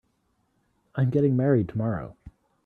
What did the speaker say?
I'm getting married tomorrow.